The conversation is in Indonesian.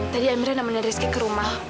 tadi amira namanya rizki ke rumah